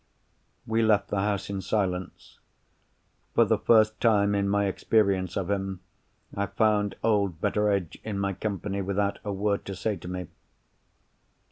We left the house in silence. For the first time in my experience of him, I found old Betteredge in my company without a word to say to me.